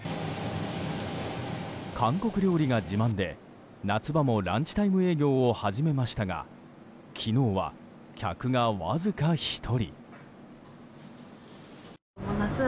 韓国料理が自慢で、夏場もランチタイム営業を始めましたが昨日は客がわずか１人。